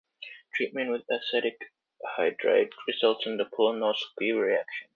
Treatment with acetic anhydride results in the Polonovski reaction.